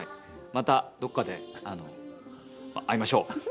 また、どっかで会いましょう！